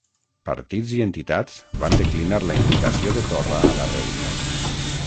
Partits i entitats van declinar la invitació de Torra a la reunió